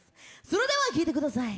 それでは聴いてください